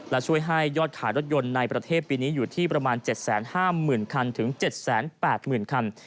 และช่วยให้ยอดขายรถยนต์ในประเทศปีนี้อยู่ที่ประมาณ๗๕๐๐๐คันถึง๗๘๐๐๐คัน